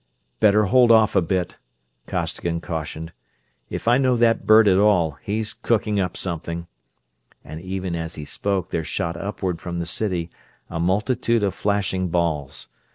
"Better hold off a bit," Costigan cautioned. "If I know that bird at all, he's cooking up something," and even as he spoke there shot upward from the city a multitude of flashing balls.